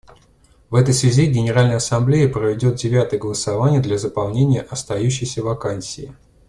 В этой связи Генеральная Ассамблея проведет девятое голосование для заполнения остающейся вакансии.